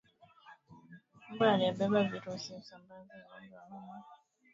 Mbu aliyebeba virusi husambaza ugonjwa wa homa ya bonde la ufa